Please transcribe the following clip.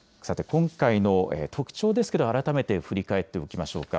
今回の特徴ですけど、改めて振り返っておきましょうか。